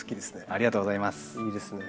ありがとうございます。